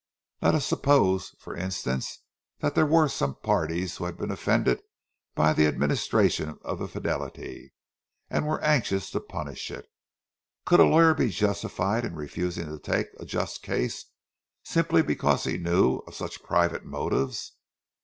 Let us suppose, for instance, that there were some parties who had been offended by the administration of the Fidelity, and were anxious to punish it. Could a lawyer be justified in refusing to take a just case, simply because he knew of such private motives?